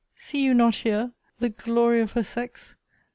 See you not here! the glory of her sex?